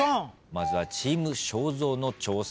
まずはチーム正蔵の挑戦です。